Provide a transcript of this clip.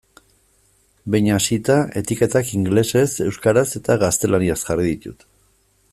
Behin hasita, etiketak ingelesez, euskaraz eta gaztelaniaz jarri ditut.